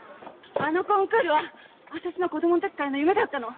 あのコンクールは私の子供の時からの夢だったの。